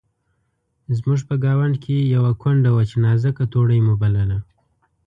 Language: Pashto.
زموږ په ګاونډ کې یوه کونډه وه چې نازکه توړۍ مو بلله.